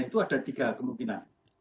itu ada tiga kemungkinan